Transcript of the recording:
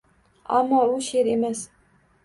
Ammo u she’r emas…